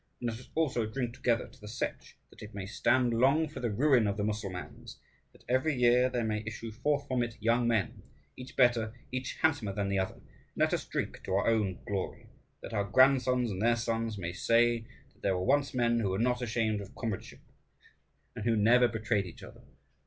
And let us also drink together to the Setch, that it may stand long for the ruin of the Mussulmans, and that every year there may issue forth from it young men, each better, each handsomer than the other. And let us drink to our own glory, that our grandsons and their sons may say that there were once men who were not ashamed of comradeship, and who never betrayed each other.